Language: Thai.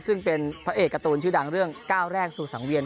ซึ่งเป็นพระเอกการ์ตูนชื่อดังเรื่องก้าวแรกสู่สังเวียน